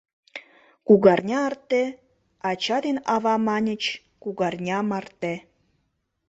— Кугарня арте, — ача ден ава маньыч, - кугарня марте.